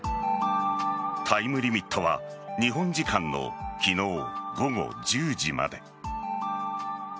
タイムリミットは日本時間の昨日午後１０時まで。